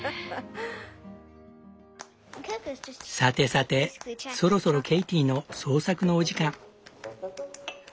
さてさてそろそろケイティの創作のお時間。